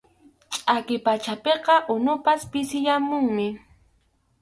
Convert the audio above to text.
Chʼakiy pachapiqa unupas pisiyamunmi.